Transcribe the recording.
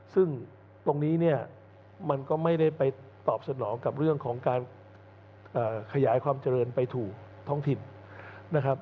ซึ่งตรงนี้เนี่ยมันก็ไม่ได้ไปตอบสนองกับเรื่องของการขยายความเจริญไปถูกท้องถิ่นนะครับ